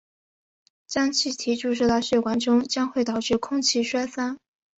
将气体注射到血管中将会导致空气栓塞。